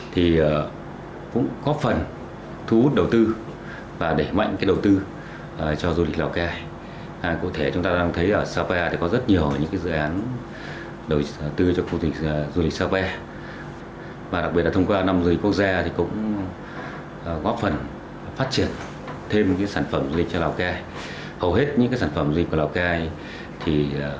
thông qua năm du lịch quốc gia thì cũng góp phần thu hút đầu tư và để mạnh đầu tư cho du lịch lào cai